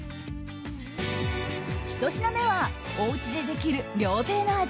１品目はおうちでできる料亭の味。